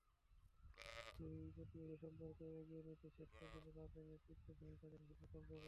দুই প্রতিবেশীর সম্পর্ক এগিয়ে নিতে শেষ পর্যন্ত রাজনৈতিক নেতৃত্বের ভূমিকা যথেষ্ট তাৎপর্যপূর্ণ।